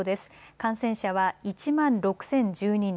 感染者は１万６０１２人。